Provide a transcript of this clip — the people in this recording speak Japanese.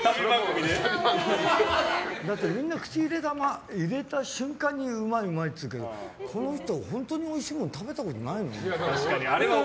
だって、みんな口に入れた瞬間にうまいうまい！っていうけどこの人、本当においしいもの食べたことないの？って。